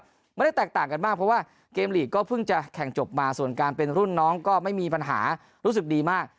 ก็ไม่ได้แตกต่างกันมากเพราะว่าเกมลีกก็เพิ่งจะแข่งจบมาส่วนการเป็นรุ่นน้องก็ไม่มีปัญหารู้สึกดีมาก